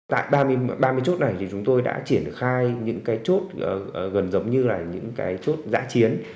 tại ba mươi chốt này thì chúng tôi đã triển khai những cái chốt gần giống như là những cái chốt giã chiến